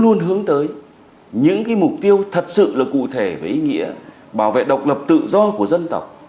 mà còn khẳng định những nguyên tắc pháp lý về độc lập dân tộc